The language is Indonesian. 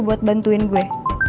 buat bantuin gue